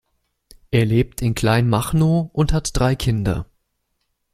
Er lebt in Kleinmachnow und hat drei Kinder.